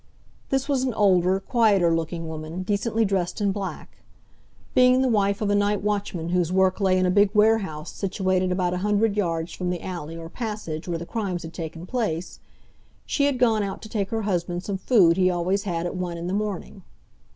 This was an older, quieter looking woman, decently dressed in black. Being the wife of a night watchman whose work lay in a big warehouse situated about a hundred yards from the alley or passage where the crimes had taken place, she had gone out to take her husband some food he always had at one in the morning.